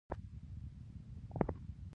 مو واورېدل، ویل یې چې ګڼ شمېر جرمنیان.